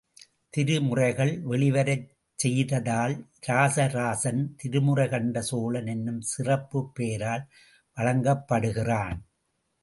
திருமுறைகள் வெளிவரச் செய்ததால், இராச ராசன், திருமுறைகண்டசோழன் என்னும் சிறப்புப் பெயரால் வழங்கப்படுகிறான்.